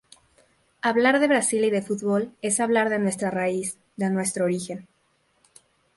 Hablar de Brasil y de fútbol es hablar de nuestra raíz, de nuestro origen.